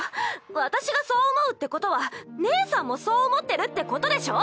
私がそう思うってことは姉さんもそう思ってるってことでしょ！